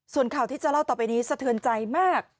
ส่วนข่าวที่จะเล่าต่อไปนี้สะเทือนใจมาก